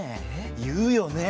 言うよね！